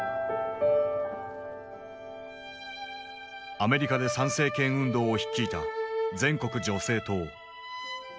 アメリカで参政権運動を率いた全国女性党。